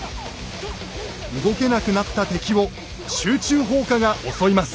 動けなくなった敵を集中砲火が襲います。